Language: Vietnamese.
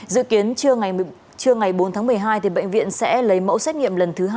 dự kiến trưa ngày bốn tháng một mươi hai bệnh viện sẽ lấy mẫu xét nghiệm lần thứ hai